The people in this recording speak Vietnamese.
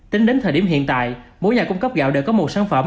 tính đến thời điểm hiện tại mỗi nhà cung cấp gạo đều có một sản phẩm